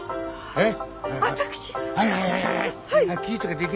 えっ？